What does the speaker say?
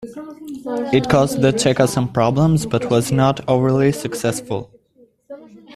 It caused the Cheka some problems but was not overly successful.